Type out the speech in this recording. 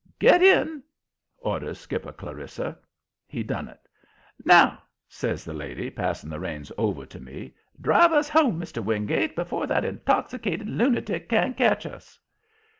"Get in!" orders Skipper Clarissa. He done it. "Now," says the lady, passing the reins over to me, "drive us home, Mr. Wingate, before that intoxicated lunatic can catch us."